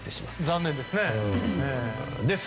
残念ですね。